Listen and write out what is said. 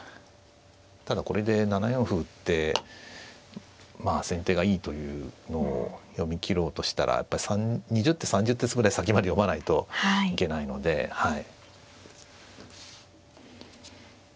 ただこれで７四歩打ってまあ先手がいいというのを読み切ろうとしたらやっぱり２０手３０手ぐらい先まで読まないといけないのではい。